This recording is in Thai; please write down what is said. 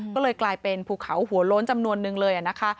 ก็เลยกลายเป็นภูเขาหัวโล้นจำนวนนึงเลยนะคะ